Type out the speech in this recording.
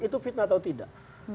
itu fitnah atau tidak